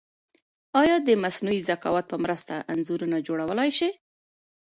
ایا د مصنوعي ذکاوت په مرسته انځورونه جوړولای شئ؟